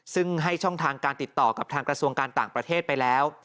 ซึ่งให้ช่องทางการติดต่อกับทางกระทรวงการต่างประเทศไปแล้ว